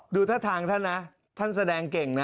ดูทะทางท่ะท่านแสดงเก่งนะ